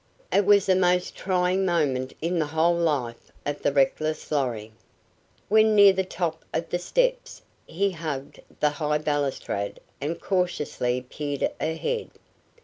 It was the most trying moment in the whole life of the reckless Lorry. When near the top of the steps he hugged the high balustrade and cautiously peered ahead.